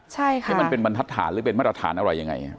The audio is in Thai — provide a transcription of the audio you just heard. ใช่ค่ะที่มันเป็นบรรทัดฐานหรือเป็นบรรทัดฐานอะไรยังไง